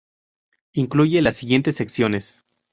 Incluye las siguientes secciones.